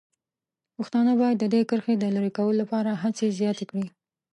پښتانه باید د دې کرښې د لرې کولو لپاره هڅې زیاتې کړي.